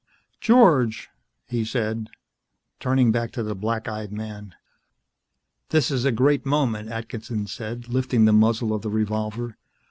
"George," he said, turning back to the black eyed man. "This is a great moment," Atkinson said, lifting the muzzle of the revolver.